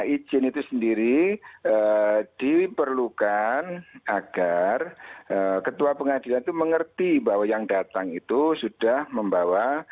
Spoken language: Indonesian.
izin itu sendiri diperlukan agar ketua pengadilan itu mengerti bahwa yang datang itu sudah membawa